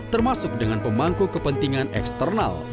termasuk dengan pemangku kepentingan eksternal